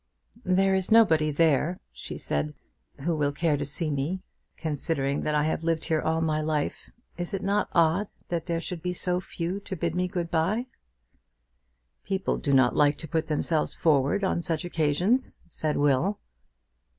"There is nobody there," she said, "who will care to see me. Considering that I have lived here all my life, is it not odd that there should be so few to bid me good bye?" "People do not like to put themselves forward on such occasions," said Will.